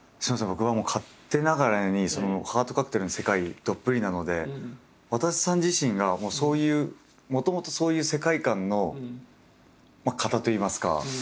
僕は勝手ながらに「ハートカクテル」の世界どっぷりなのでわたせさん自身がもうそういうもともとそういう世界観の方といいますか。